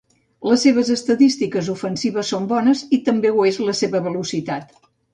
Les seves estadístiques ofensives són bones i també ho és la seva velocitat.